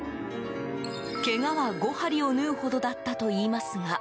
けがは５針を縫うほどだったといいますが。